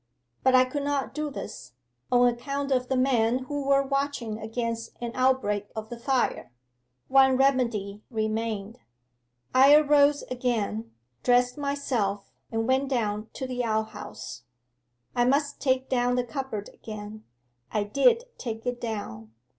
But I could not do this, on account of the men who were watching against an outbreak of the fire. One remedy remained. 'I arose again, dressed myself, and went down to the outhouse. I must take down the cupboard again. I did take it down.